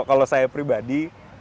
kalau saya pribadi